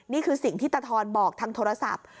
นี่คือสิ่งที่ตะทอนบอกทางโทรศัพท์